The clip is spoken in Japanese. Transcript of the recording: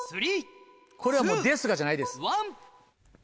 これはもう「ですが」じゃないです。